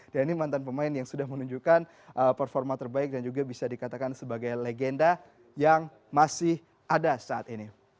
ini mantan pemain yang sudah menunjukkan performa terbaik dan juga bisa dikatakan sebagai legenda yang masih ada saat ini